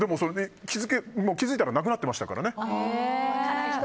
気づいたらなくなってましたからね。